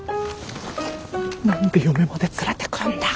何で嫁まで連れてくるんだ？